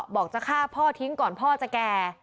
บอกจะฆ่าพ่อทิ้งก่อนพ่อจะแก่